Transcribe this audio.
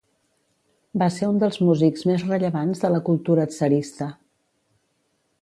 Va ser un dels músics més rellevants de la cultura tsarista.